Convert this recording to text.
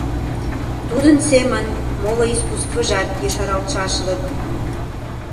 Тудын семын моло искусствыжат ешаралтшашлык».